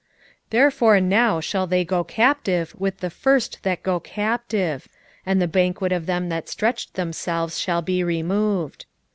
6:7 Therefore now shall they go captive with the first that go captive, and the banquet of them that stretched themselves shall be removed.